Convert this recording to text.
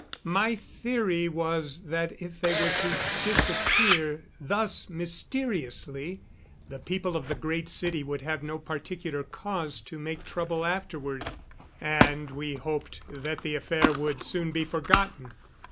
My theory was that if they were to disappear thus mysteriously the people of the Great City would have no particular cause to make trouble afterward, and we hoped that the affair would soon be forgotten.